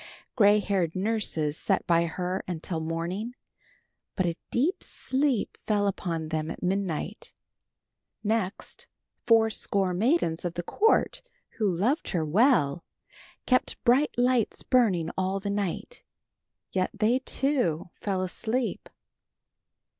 Gray haired nurses sat by her until morning, but a deep sleep fell upon them at midnight. Next fourscore maidens of the court, who loved her well, kept bright lights burning all the night, yet they, too, fell asleep.